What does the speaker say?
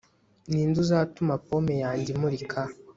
ninde uzatuma pome yanjye imurika